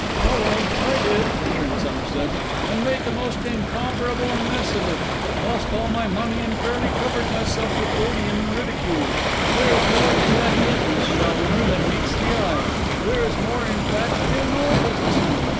'Ah, well, I did,' returned Somerset, 'and made the most incomparable mess of it: lost all my money and fairly covered myself with odium and ridicule. There is more in that business, Challoner, than meets the eye; there is more, in fact, in all businesses.